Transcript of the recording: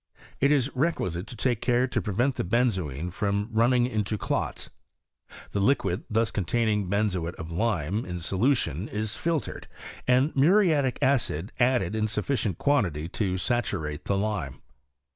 It is requisite to take care to prevent the benzoin from running into clots. The liquid thus containing benzoate of lime in solu tion is filtered, and muriatic acid added in sufficient quantity to saturate the lime.